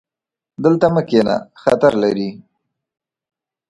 دلته مه کښېنه، خطر لري